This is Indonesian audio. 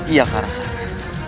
ia akan rasanya